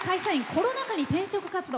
コロナ禍に転職活動。